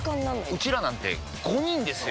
ウチらなんて５人ですよ！